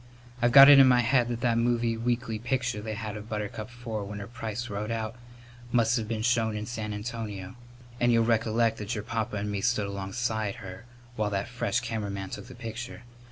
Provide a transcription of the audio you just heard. I've got it in my head that that movie weekly picture they had of Buttercup Four with her price wrote out must have been shown in San Antonio. And you'll recollect that your papa and me stood alongside her while that fresh cameraman took the picture.